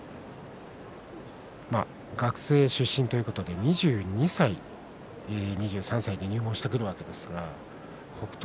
学生出身ということで２２歳、２３歳で入門してくるわけですが北勝